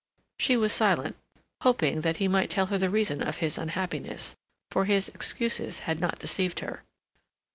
She was silent, hoping that he might tell her the reason of his unhappiness, for his excuses had not deceived her.